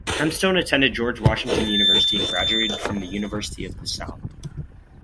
Hempstone attended George Washington University and graduated from the University of the South.